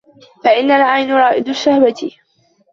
فَإِنَّ الْعَيْنَ رَائِدُ الشَّهْوَةِ